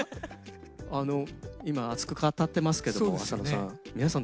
あの今熱く語ってますけども浅野さん。